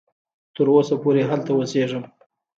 تر اوسه پوري هلته اوسیږي.